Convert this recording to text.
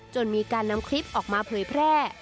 จนมีการนำคลิปออกมาเผยแพร่